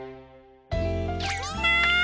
みんな！